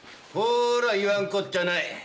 ほら言わんこっちゃない。